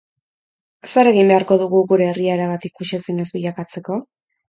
Zer egin beharko dugu gure herria erabat ikusezin ez bilakatzeko?